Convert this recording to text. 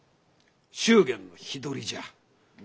祝言の日取りじゃ。